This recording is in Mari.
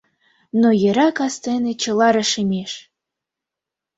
Но йӧра, кастене чыла рашемеш...